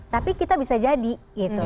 tapi kita bisa jadi gitu